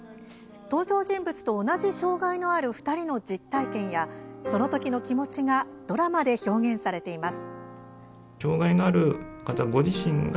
登場人物と同じ障害のある２人の実体験やその時の気持ちがドラマで表現されています。